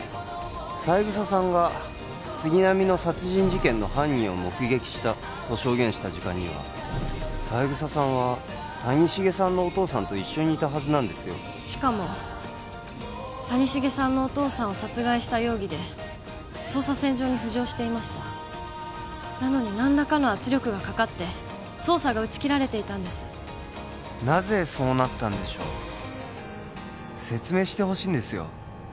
三枝さんが杉並の殺人事件の犯人を目撃したと証言した時間には三枝さんは谷繁さんのお父さんと一緒にいたはずなんですよしかも谷繁さんのお父さんを殺害した容疑で捜査線上に浮上していましたなのに何らかの圧力がかかって捜査が打ち切られていたんですなぜそうなったんでしょう説明してほしいんですよ